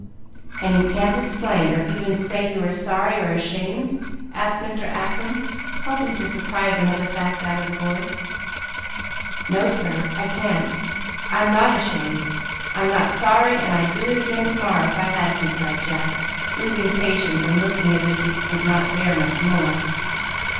"And you can't explain, or even say you are sorry or ashamed?" asked Mr. Acton, hoping to surprise another fact out of the boy. "No, sir; I can't; I'm not ashamed; I'm not sorry, and I'd do it again to morrow if I had to," cried Jack, losing patience, and looking as if he would not bear much more.